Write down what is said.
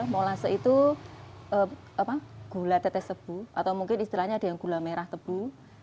molase itu gula tetes tebu atau mungkin istilahnya ada yang gula merah tebu